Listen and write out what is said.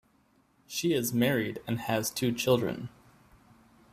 She is married and has two children.